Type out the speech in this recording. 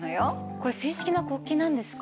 これ正式な国旗なんですか？